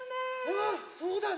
ああそうだね。